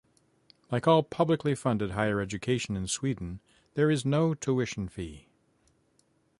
Like all publicly funded higher education in Sweden, there is no tuition fee.